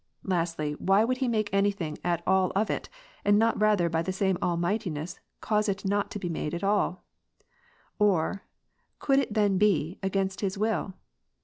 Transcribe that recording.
Lastly, why would He make any thing at all of it, and not rather by the same All mightiness cause it not to be at all ? Or, could it then be, against His will